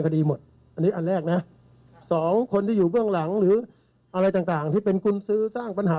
ใครก็แล้วแต่คนที่อยู่เบื้องหลังที่โซเชียลบอกว่า